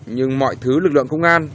nhưng mọi thứ lực lượng công an